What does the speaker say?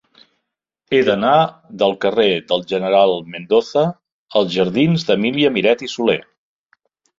He d'anar del carrer del General Mendoza als jardins d'Emília Miret i Soler.